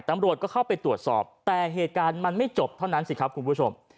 ตำรวจก็เข้าไปตรวจสอบแต่เหตุการณ์มันไม่จบเท่านั้นสิครับคุณผู้ชม